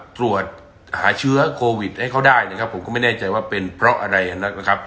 ตรวจหาเชื้อโควิดให้เขาได้นะครับผมก็ไม่แน่ใจว่าเป็นเพราะอะไรนะครับ